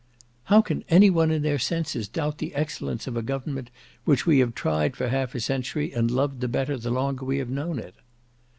"How can any one in their senses doubt the excellence of a government which we have tried for half a century, and loved the better the longer we have known it."